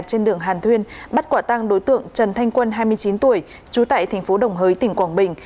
trên đường hàn thuyên bắt quả tăng đối tượng trần thanh quân hai mươi chín tuổi trú tại thành phố đồng hới tỉnh quảng bình